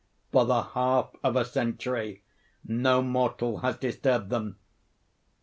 For the half of a century no mortal has disturbed them.